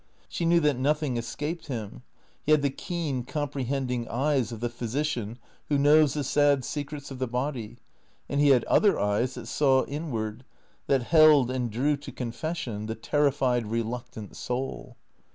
She knew that nothing escaped him. He had the keen, comprehending eyes of the physician who knows the sad secrets of the body; and he had other eyes that saw inward, that held and drew to confession the terrified, reluctant soul.